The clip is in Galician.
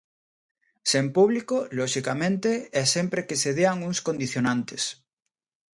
Sen público, loxicamente, e sempre que se dean uns condicionantes.